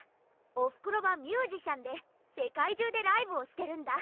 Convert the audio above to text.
おふくろはミュージシャンでせかいじゅうでライブをしてるんだ。